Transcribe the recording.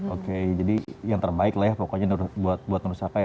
oke jadi yang terbaik lah ya pokoknya buat menu sapa ya